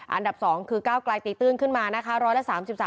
อันดับ๒คือก้าวกลายตีตื้นขึ้นมานะคะ๑๓๓